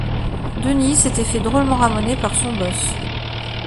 Denis s’était fait drôlement ramoner par son boss.